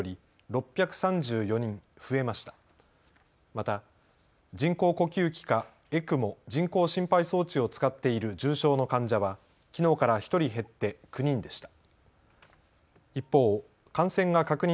また、人工呼吸器かＥＣＭＯ・人工心肺装置を使っている重症の患者はきのうから１人減って９人でした。